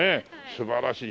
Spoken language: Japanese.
素晴らしい。